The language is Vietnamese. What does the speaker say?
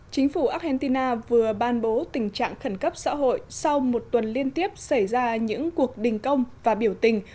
chính phủ argentina vừa ban bố tình trạng khẩn cấp xã hội sau một tuần liên tiếp xảy ra những cuộc đình công và biểu tình